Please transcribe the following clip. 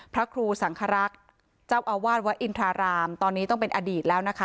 พระครูสังครักษ์เจ้าอาวาสวัดอินทรารามตอนนี้ต้องเป็นอดีตแล้วนะคะ